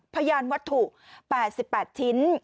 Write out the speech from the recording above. พยานวัตถุ๘๘ชิ้น